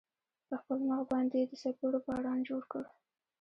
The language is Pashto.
په خپل مخ باندې يې د څپېړو باران جوړ کړ.